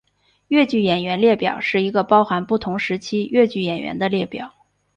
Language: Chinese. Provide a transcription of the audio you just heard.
越剧演员列表是一个包含不同时期越剧演员的列表。